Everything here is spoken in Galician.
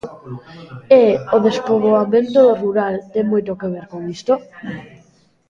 E o despoboamento do rural ten moito que ver con isto.